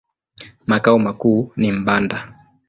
Makao makuu ni Mpanda.